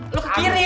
aduh ada apa ya